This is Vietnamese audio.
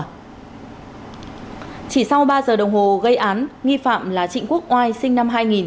chỉ sau ba giờ đồng hồ gây án nghi phạm là trịnh quốc oai sinh năm hai nghìn